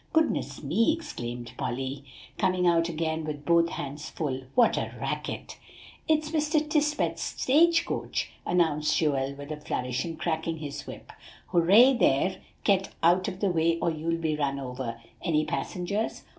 "Goodness me!" exclaimed Polly, coming out again with both hands full. "What a racket!" "It's Mr. Tisbett's stage coach," announced Joel with a flourish, and cracking his whip. "Hooray, there get out of the way or you'll be run over! Any passengers?